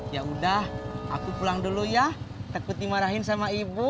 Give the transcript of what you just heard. ya udah aku pulang dulu ya takut dimarahin sama ibu